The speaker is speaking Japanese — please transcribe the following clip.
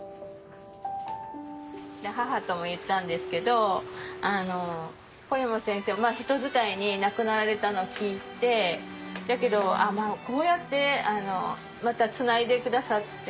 母とも言ったんですけど小山先生人伝いに亡くなられたの聞いてだけどこうやってまたつないでくださって。